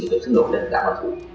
được thức nộp đến đảng bản thủ